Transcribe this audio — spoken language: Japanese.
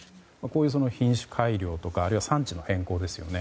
品種改良とかあるいは産地の変更ですよね。